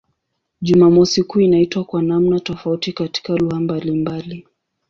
Jumamosi kuu inaitwa kwa namna tofauti katika lugha mbalimbali.